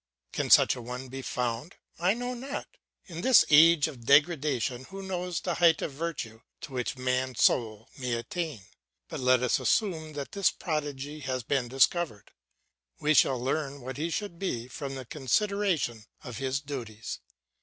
Can such a one be found? I know not. In this age of degradation who knows the height of virtue to which man's soul may attain? But let us assume that this prodigy has been discovered. We shall learn what he should be from the consideration of his duties.